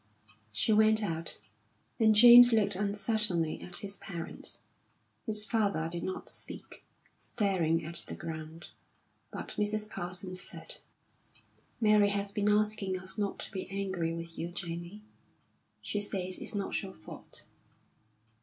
She went out, and James looked uncertainly at his parents. His father did not speak, staring at the ground, but Mrs. Parsons said: "Mary has been asking us not to be angry with you, Jamie. She says it's not your fault."